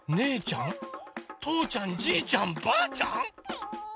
とーちゃんじーちゃんばーちゃん？